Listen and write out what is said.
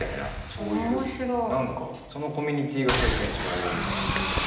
そういう何かそのコミュニティーが最近は一番多いっすかね。